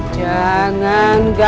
jangan lupa ya